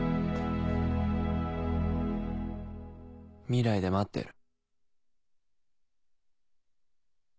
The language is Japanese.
未来で待ってる。